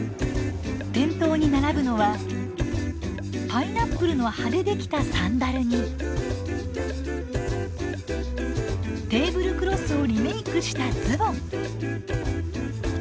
店頭に並ぶのはパイナップルの葉でできたサンダルにテーブルクロスをリメークしたズボン。